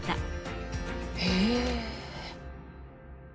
へえ。